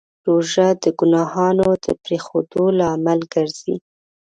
روژه د ګناهونو د پرېښودو لامل ګرځي.